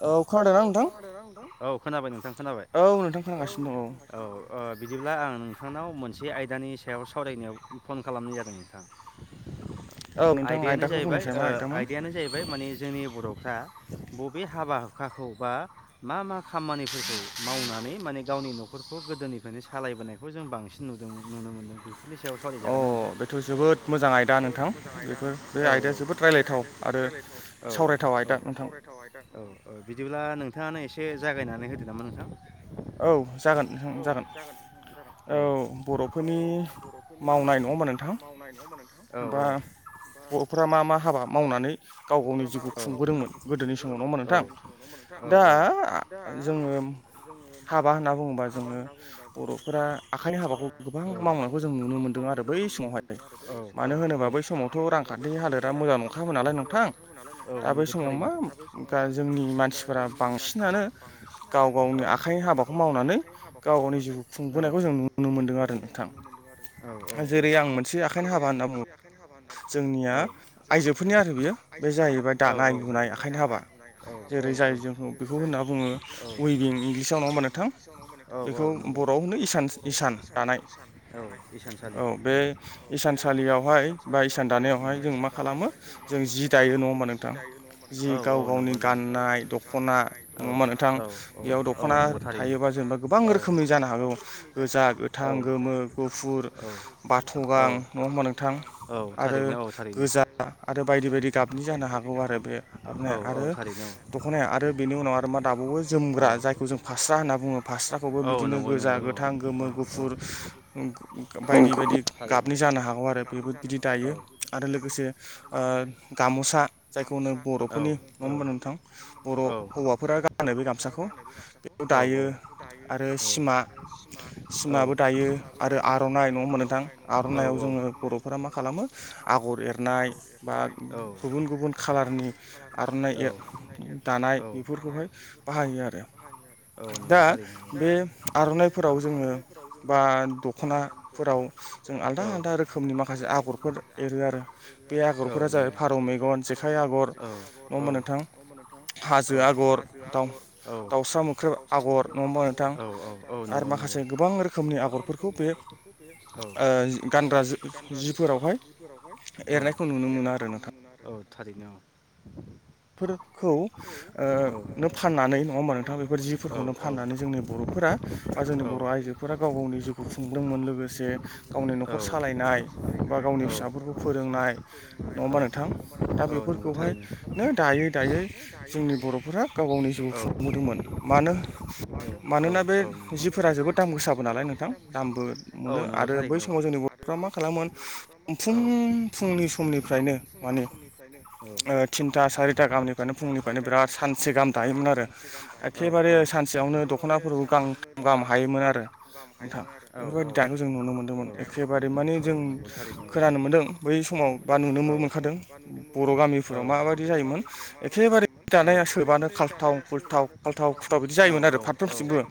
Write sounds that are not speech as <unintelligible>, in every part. औ खोनादोंना नोंथां औ खोनाबाय नोंथां खोनाबाय। औ नोंथां औ खोनागासिनो दं ओ बिदिब्ला आं नोंथांनाव मोनसे आयदानि सायाव सावरायनायाव फन खालामनाय जादों नोंथां। औ नोंथां आयदायानो आयदाखौ जाहैबाय बुंनायसाय ओ मा आयदामोन आयदायानो जाहै फ्राय माने जोंनि बर'फ्रा बबे हाबा हुखाखौ बा मा मा खामानिफोरखौ मावनानै माने गावनि न'खरखौ गोदोनिफ्रायनो सालायबोनाय बेखौ जों बांसिन नुदोंमोन नुनो मोनदों बेफोरनि सायाव सावरायजा अ बेथ' जोबोद मोजां आयदा नोंथां बेफोर बे आयदाया जोबोद रायलायथाव आरो औ सावरायथाव आयदा नोंथां औ बिदिब्ला नोंथाङानो एसे जागायनानै होदो नामा नोंथां। <inaudible> औ जागोन नोंथां जागोन औ बर'फोरनि मावनाय नङाहोनबा नोथां औ औ बा बरफ्रा मा मा हाबा मावनानै गाव गावनि जिउखौ खुंबोदोंमोन गोदोनि समाव नङामा नोंथां दा होमबा नोंथां जोङो हाबा होनना बुङोबा जोङो बर'फोरा आखाइनि हाबाखौ गोबां मावनायखौ जों नुनो मोनदों आरो बै समावहाय मानो होनोबा बै समावथ' रांखान्थि हालोदा मोजां नंखामोन। दा नालाय मोजां नोंथां नंखायाबो नालाय दा औ बै नंगौ समाव मा थारैनो दा बै समाव मा जोंनि दा मानसिफोरा जोंनि मानसिफोरा बांसिनानो <unintelligible> गाव बांसिनानो गावनि आखाइनि हाबाखौ मावनानै गाव गावनि जिउ खुंबोनायखौ जों नुनो मोन्दों आरो नोंथां औ औ जेरै आं मोनसे आखाइनि जेरै हाबा आं होनना मोनसे बुङो आखाइ हाबा होनना जोंनिया बुंओ औ जोंनिया आइजोफोरनि <unintelligible> आरो बियो बे जाहैबाय दानाय लुनाय आखाइनि हाबा जेरै- जाय जों बेखौ होनना बुङो अयबिंनि हिसाब औ औ होनो इसान इसान नंगौ दानाय औ औ बे इसानसालियावहाय बा इसान दानायावहाय जों मा खालामो जों जायो नङा होमबा नोंथां। औ जि औ गाव नंगौ गावनि नंगौ गाननाय दख'ना नङाहोनबा नोंथां होमबा बेयाव द दख'ना थायोबा जेनेबा गोबां रोखोमनि जानो हागौ गोजा गोथां गोमो गुफुर। बाथ' गां नङा होमबा नोंथां आरो गोजा आरो बायदि बायदि गाबनि जानो हागौ आरो बेन हानाया आरो दख'नाया आरो बेनि उनाव आरो मा दाबावो जोमग्रा जाय जों फास्रा होनना बुङो फास्राखौबो बिदिनो गोजा गोथां गोमो गुफुर बायदि बायदि गाबनि जानो हागौ आरो बेबो बिदि दायो। आरो लोगोसे ओ गामुसा जायखौनो बर'फोरनि नङा होबा नोंथां बर' हौवाफोरा गानो बे गामसाखौ। बेखौ दायो आरो सिमा सिमाबो दायो आरो आर'नाइ नङाहोनबा नोथां। आर'नाइाव जोङो बर'फोरा मा खालामो आगर एरनाय बा आ गुबुन गुबुन खालारनि आर'नाइ दानाय बेफोरखौहाय बाहायो आरो दा बे आर'नाइफोराव जोङो बा दख'नाफोराव जों आलदा आलदा रोखोमनि माखासे आगरफोर एरो आरो बे आगरफोरा जाबाय फारौ मेगन आखाइ आगर नङा होमबा नोंथां हाजो आगर दाउ दाउसरा मोख्रेब आगर नङ होमबा नोंथां नङा आरो होमबा माखासे गोबां रोखोमनि आगरफोरखौ बे नोंथां ओ गानग्रा जिफोरावहाय एरनायखौ नुनो मोना आरो नोंथां औ औ थारैनो औ फोरखौनो ओ नो फाननानै नङा होमबा नोंथां बेफोर जिफोरखौनो फाननानै जोंनि बर'फोरा बा जोंनि गाव बर' आइजोफोरा गाव गावनि जिउखौ खुंदोंमोन लोगोसे गावनि औ न'खर सालायनाय बा गावनि औ फिसाफोरखौ फोरोंनाय औ नङाबा नोंथां दा औ नंगौ बेफोरखौहाय थारैनो बिदिनो दायै दायै जोंनि बर'फोरा गाव गावनि जिउ खुंबोदोंमोन मानो मानोना बे जिफोरा जोबोद दाम गोसाबो नालाय नोंथां दामबो मोनो औ नंगौ आरो बै थारैनो औ समाव जोंनि ब मा खालामोन फुं फुंनि समनिफ्रायनो माने निफ्रायनो औ ओ थिनथा सारिथा गाहामनिफायनो फुंनिफायनो बिराद सानसे गाहाम दायोमोन आरो औ औ एखेबारे सानसेयावनो द ख'नाफोरखौ गांथाम गाहाम हायोमोन आरो नोंथां औ औ बेफोरबायदि दानायखौ जों नुनो मोनदोंमोन एखेबारे माने जों खोनानो मोनदों बै समाव बा नुनोबो मोनखादों बर' गामि फोराव माबायदि जायोन एखेबारे दानाया सोरबानो खाल्थाव खुल्थाव खाल्थाव खुथाव बिदि जायोमोन आरो औ औ फारफ्रोमथिंबो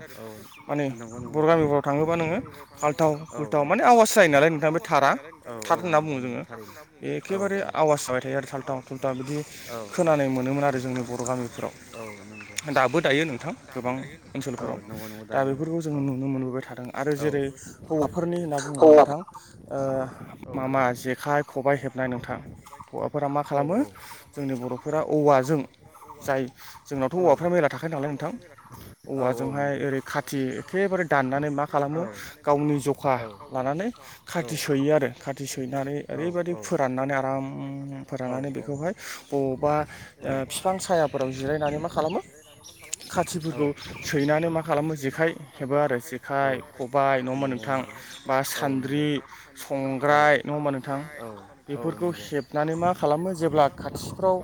माने नंगौ नंगौ बर' नोंथां गामिफोराव थाङोबा नोङो खाल्थाव औ खुल्थाव माने खाल्थाव आवाज जायो खुल्थाव नालाय माने नोंथां बे आवास थारा जायो नालाय नोंथां थार थारा होनना बुङो जोङो थार होनना बुङो एखेबारे दा बिदि खोनानो मोनोमोन आरो जोंनि बर' गामिफोराव दाबो दायो नोंथां गोबां औ ओनसोलफोराव नंगौ दा बेफोरखौ औ जोङो नुनो मोनबोबाय थादों आरो जेरै हौवाफोरनि होनना औ बुङोबा नोंथां म औ मा जेखाय खबाय हेबनाय नोंथां हौवाफोरा मा खालामो जोंनि बर'फोरा औवाजों जाय जोंनावथ' औवाफ्रा मेरला थाखायो नालाय नोंथां औ औ औवाजोंहाय नंगौ ओरै खा थि एखेबारे दाननानै मा खालामो गावनि जखा लानानै खाथि सोयो आरो खाथि सैनानै ओरैबायदि फोराननानै आराम फोराननानै बेखौहाय बबावबा फिफां सायाफोराव जिरायनानै मा खालामो खाथिफोरखौ हेबो सैनानै मा खालामो जेखाइ हेबो आरो जेखाइ खबाय नङा होमबा नोंथां बा सान्द्रि संग्राय नङा होमबा नोंथां बेफोरखौ नोंथां हेबनानै मा खालामो जेब्ला खाथिफ्राव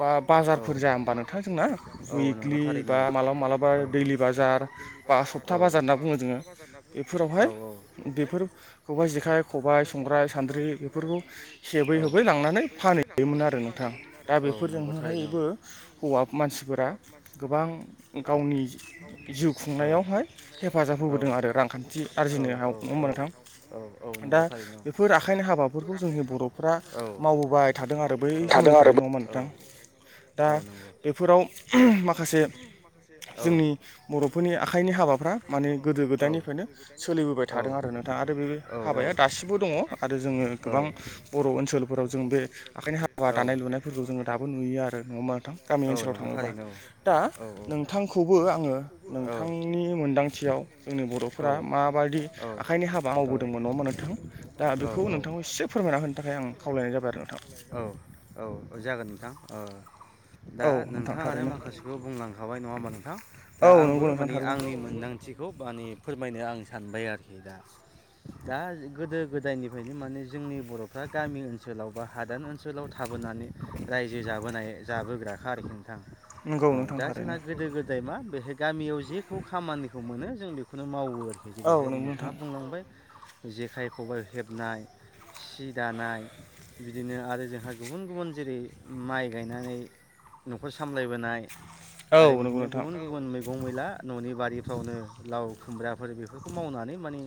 बा बाजारफोर जाया होमबा नोंथां जोंना उइ खलि नोंथां बा मालाबा मालाबा दैलि बाजार बा सप्ता बाजार होनना बुङो जोङो बेफोरावहाय बेफोर खबाइ जेखाइ खबाय संग्राय सान्द्रि बेफोरखौ हेबै हेबै लांनानै फानहैयोमोन आरो नोंथां दा नोंथां दा बेफोरजोंहायबो हौवा मानसिफोरा गोबां गावनि जिउ खुंनायावहाय हेफाजाब होबोदों आरो रांखान्थि आरजिनोहाव नङा होमबा नोंथां दा नंगौना नोंथां बेफोर आखायनि हाबाफोरखौ जोंनि बर'फ्रा मावबोबाय थादों आरो बै समनिफाय बै नङा होमबा नोंथां दा होमबा नोंथां बेफोराव माखासे औ जोंनि बर'फोरनि आखाइनि हाबाफ्रा माने गोदो गोदायनिफायनो सोलिबोबाय थादों आरो नोंथां आरो बे हाबाया दासिमबो दङ आरो जोङो गोबां बर' ओनसोलफोराव जों बे आखायनि हाबा दानाय लुनायफोरखौ जोङो दाबो नुयो आरो नङा होमबा नोंथां गामि आरो ओनसोलाव थाङोबा दा नोंथांखौबो आङो नोंथांनि मोनदांथियाव जोंनि बर'फोरा माबादि आखाइनि हाबा मावबोदोंमोन नङा होमबा नोंथां दा बेखौ होमबा नोंथांखौ एसे फोरमायना होनो थाखाय आं खावलायनाय जाबाय आरो नोंथां। नोंथां जागोन नोंथां अ दा औ नोंथां नोंथाङानो थारैनो माखासेखौ बुंलांखाबाय नङा होमबा नोंथां। दा औ आंबो नंगौ नोंथां माने थारैनो आंनि मोनदांथिखौ माने फोरमायनो आं सानबाय आरोखि दा। दा गोदो गोदायनिफ्रायनो माने जोंनि बर'फ्रा गामि ओनसोलाव बा हादान ओन सोलाव थाबोनानै रायजो जाबोनाय जाबोग्राखा आरोखि नोंथां। नंगौ औ नोंथां दा जोंहा थारैनो गोदो गो दाय मा बेहाय गामियाव जेखौ खामानिखौ मोनो जों बेखौनो मावो आरोखि। औ जेरैहाय नंगौ नोंथाङा नोंथां बुंलांबाय जेखाय खबाइ हेबनाय सि दानाय बिदिनो आरो जोंहा गुबुन गुबुन जेरै माइ गायनानै न'खर सामलायबोनाय औ आरो नंगौ बिदिनो नोंथां गुबुन गुबुन मैगं मैला न'नि बारिफ्रावनो लाव खुमब्राफोर बेफोर खौ मावनानै माने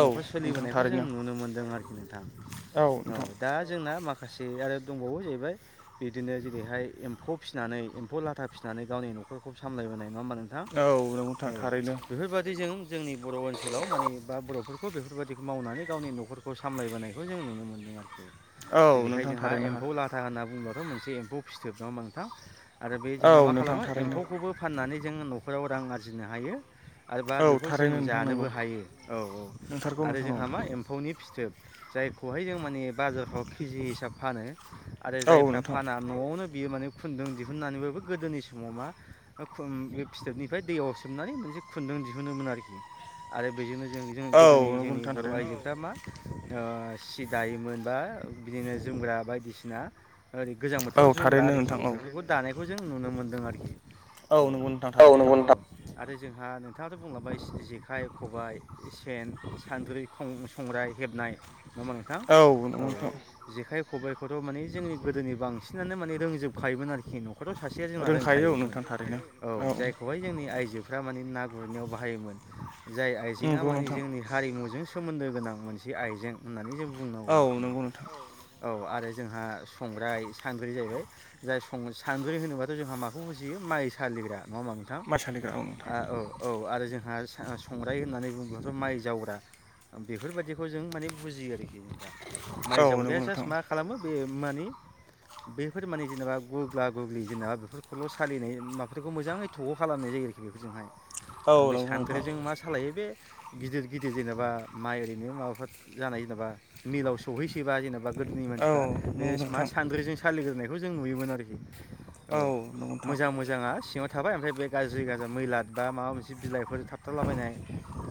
औ न'खर नोंथां सोलिबोनायखौ जों थारैनो नुनो मोन्दों आरोखि नोंथां। औ नोंथां। दा जोंना माखासे आरो दंबावो जाहैबाय बिदिनो जेरैहाय एम्फौ फिनानै एम्फौ लाथा फिनानै गावनि न'खरखौ सामलायबोनाय नङा होमबा? नोंथां औ नंगौ औ नोंथां थारैनो बेफोरबादि जों जोंनि बर' ओनसोलाव माने बा बर'फोरखौ बेफोर बायदिखौ मावनानै गावनि न'खरखौ सामलायबोनाय खौ जों नुनो मोनदों आरोखि औ जेरैहाय नोंथां जों थारैनो हा एम्फौ ला था होनना बुंङोब्लाथ' मोनसे एम्फौ फिथोब नङाहोम्बा नोंथां आरो बे जोंहा औ मा नोंथां खालामो थारैनो एम्फौखौबो फाननानै जों न'खराव रां आरजिनो हायो। आरोबा औ बेखौ जों थारैनो नोंथां जानोबो नंगौ हायो औ औ नोंथारगौ आरो नोंथां औ जोंहा मा? एमफौनि फिथोब जायखौहाय जों माने बाजारफ्राव केजि हिसाब फानो। आरो औ जायफ्रा नोंथां फाना न'आवनो बियो माने खुन्दुं दिहुननानैबाबो गोदोनि समाव मा बे फिथोबनिफ्राय दैयाव सोमनानै मोनसे खुन्दुं दिहुनोमोन आरोखि आरो बेजोंनो जों जों औ गोदोनि नंगौ जोंनि नोंथां बर' थारैनो आइजोफ्रा मा ओ सि दायोमोन बा बिदिनो जोमग्रा बायदिसिना ओरै गोजां औ बोथोराव जोमग्रा थारैनो आरोखि नोंथां औ बेफोरखौ दानायखौ जों नुनो मोन्दों आरोखि। औ नंगौ नोंथां औ नंगौ थारैनो नोंथां। आरो जोंहा नोंथाङाथ' बुंलाबाय जेखाइ खबाइ सेन सान्द्रै सं संग्राय हेबनाय नङाहोमबा नोंथां नंगौ औ नोंथां जेखाइ खबाइ खौथ' माने जोंनि गोदोनि बांसिनानो माने रोंजोबखायोमोन आरोखि न' ख'राव सासेया जोंना रोंखायो औ रोंखायोमोन नोंथां थारैनो औ जायखौहाय जोंनि आइजोफ्रा माने ना गुरनायाव बाहायोमोन जाय आइजेंङा नंगौ माने नोंथां जोंनि हारिमुजों सोमोन्दो गोनां मोनसे आइजें होननानै जों औ बुंनांगौ आरोखि नंगौ नोंथां औ आरो जोंहा संग्राय सानद्रि जाहैबाय जाय सं सानद्रि होनोबाथ' जोंहा माखौ बुजियो माइ सालिग्रा नङाहोमबा नों थां माइ सालिग्रा औ नोंथां आह औ औ आरो जोंहा सा संग्राय होननानै बुङोब्लाथ' माइ जावग्रा बेफोरबायदिखौ जों माने बुजियो आरोखि नोंथां माइ औ जावग्राया नंगौ जास्ट नोंथां मा खालामो? बे माने बेफोर माने जेनेबा गुग्ला गुग्लि जेनेबा बेफोरखौल' सालिनाय माख्रिखौ मोजाङै थख' खालामनाय जायो आरोखि बेफोरजोंहाय औ ओमफ्राय नंगौ नोंथां सानद्रिजों मा सालायो बे गिदिर गिदिर जेनेबा माइ ओरैनो माबाफोर जानाय जेनेबा मिलाव सौहैसैबा जेनेबा गोदोनि औ मानसिफ्रा बे नंगौ मा नोंथां सानद्रिजों सालिग्रोनायखौ जों नुयोमोन आरोखि औ नंगौ नोंथां मोजां मोजाङा सिङाव थाबाय ओमफ्राय बे गाज्रि गाज्रिया मैला बा माबा मोनसे बिलाइफोर थाबथारला बायनाय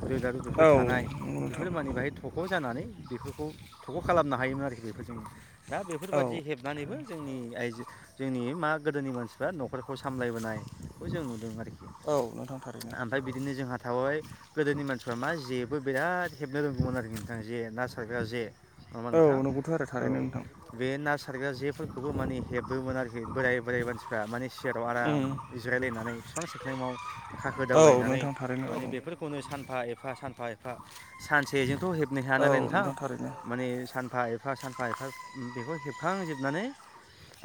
रोदा बेफोर औ थानाय नंगौ बेफोर मानि नोंथां बाहाय थख' जानानै बेफोरखौ थख' खालामनो हायोमोन आरोखि बेफोरजोंनो दा बेफोरबादि हेब औ नानैबो जोंनि आइजो जोंनि मा गोदोनि मानसिफ्रा न'खरखौ सामलायबोनायखौ जों नुदों आरोखि। औ नोंथां थारैनो आमफ्राय बिदि बिदिनो जोंहा थाबाय गोदोनि मानसिफ्रा मा जेबो बिराद हेबनो रोंगौमोन आरो नोंथां जे ना सारग्रा जे। नङा होमबा औ नोंथां नंगौथ' आरो थारैनो नोंथां औ। बे ना सारग्रा जेफोरखौबो माने हेबोमोन आरोखि बोराय बोराय मानसिफ्रा माने सियाराव आराम उम जिरायलायनानै बिफां सायख्लिमाव खाखो औ दावलायनानै नोंथां थारैनो औ माने बेफोर खौनो सानफा एफा सानफा एफा सानसेजोंथ' हेबनो हाया नालाय औ नोंथां थारैनो माने सान फा एफा सानफा एफा बेखौ हेबखां जोबनानै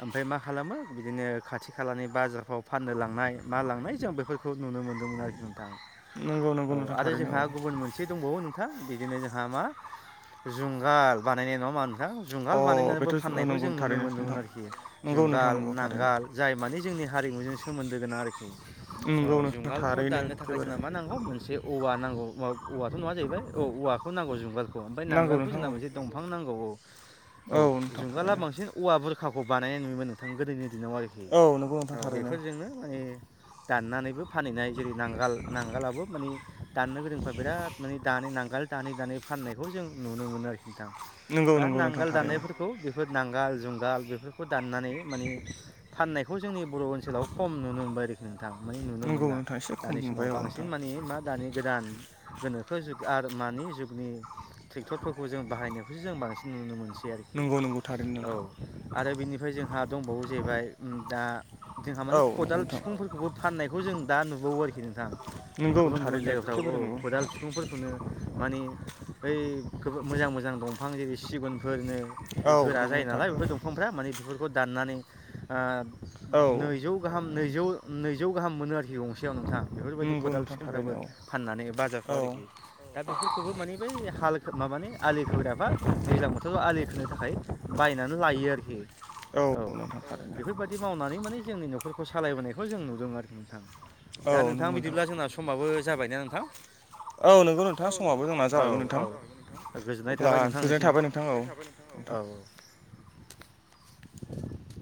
ओमफाय मा खालामो बिदिनो खाथि खालानि बाजारफ्राव फाननो लांनाय मा लांनाय जों बेफोर नुनो मोनदोंमोन आरोखि नोंथां नंगौ नंगौ औ नोंथां आरो थारैनो जोंहा गुबुन मो एसे दंबावो नोंथां बिदिनो जोंहा मा जुंगाल बानायनाय नङा होम्बा नोंथां जुंगाल औ अ बानायनानैबो बेथ' औ फाननायखौ नंगौ जों नुनो थारैनो मोनदोंमोन नोंथां आरोखि नंगौ नोंथां जुंगाल नंगौ थारैनो नांगाल जाय माने जोंनि हारिमुजों सोमोन्दो गोनां आरोखि नंगौ औ नोंथां जुंगालखौ थारैनो दाननो थाखाय एखेबारे जोंना मा नांगौ खौ मोनसे औवा नांगौ औवा औवाथ' नङा जाहैबाय औ औवाखौ नांगौ जुंगालखौ ओमफ्राय नांगौ नांगोलखौ नोंथां जोंना मोनसे औ दंफां नांगौ औ। औ नोंथां जुंगाला थारैनो बांसिन औवा बुरखाखौ बानायनाय नुयोमोन नोंथां गोदोनि दिनाव आरोखि। औ नंगौ खि नोंथां औ थारैनो बेफोरजोंनो माने दाननानैबो फानहैनाय जेरै नांगाल नांगालाबो माने दाननो गोरोंफ्रा बेराद माने दानो नांगाल। दानै दानै फाननायखौ जों नुनो मोनो आरोखि नोंथां नंगौ दा नंगौ नोंथां नांगाल दाननाय थारैनो खौ बेफोर नांगाल जुंगाल बेफोरखौ दाननानै माने फाननायखौ जोंनि बर' ओनसोलाव खम नुनो मोनबाय आरोखि। नोंथां मानि नुनो नंगौ मोनला नोंथां एसे खम दानि समाव नुबाय औ बांसिन नोंथां मानि मा दानि गोदान गोनोखो जुग आरो मानि जुगनि ट्रेक्टरफोरखौ जों बाहायनायखौसो जों बांसिन नुनो मोनसै आरोखि। नंगौ नंगौ थारैनो औ नोंथां। आरो बेनिफ्राय जोंहा दंबावो जाहैबाय ओम दा जोंहा औ माने नंगौ खदाल नोंथां फिखुंफोरखौबो फाननायखौ जों दा नुबावो आरोखि नोंथा नंगौ गुबुन गुबुन थारैनो जायगाफ्राव औ एखेबारे नंगौ खदाल नोंथां फिखुं फोरखौनो माने बै गो मोजां मोजां दंफां जेरै सिगुनफोरनो औ गोरा नंगौ जायो नोंथां नालाय बेफोर दंफांफ्रा माने बेफोरखौ दाननानै ओ औ नैजौ गाहाम नंगौ नैजौ नोंथां नैजौ गाहाम मोनो आरोखि गंसेयाव नोंथां। बेफोरबायदि नंगौ खदाल नोंथां फिखुंफ्राबो थारैनो औ फाननानै औ बाजारफ्राव आरोखि। दा बेफोरखौबो मानि बै हाल माबानि आलि खोग्राबा दैज्लां बोथोराव आलि खोनो थाखाय बायनानै लायो आरोखि औ नोंथां थारैनो बेफोर बायदि मावनानै माने जोंनि न'खरखौ सालायबोनायखौ जों नुदों आरोखि नोंथां औ दा नोंथां नंगौ बिदिब्ला जोंना समाबो जाबायना नोंथां। औ नंगौ औ नोंथां नोंगौ समाबो नोंथां जोंना औ जाबायमोन नोंथां औ गोजोननाय अब्ला थाबाय गोजोननाय नोंथांनिसिम थाबाय नोंथां औ थाबाय। औ नोंथां औ